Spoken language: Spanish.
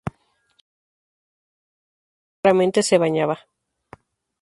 Su higiene era casi inexistente y raramente se bañaba.